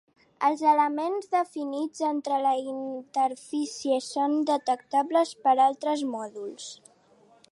Els elements definits en la interfície són detectables per altres mòduls.